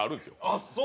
ああそう？